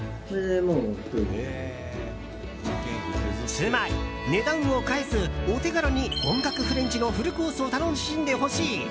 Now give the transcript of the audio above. つまり、値段を変えずお手軽に本格フレンチのフルコースを楽しんでほしい。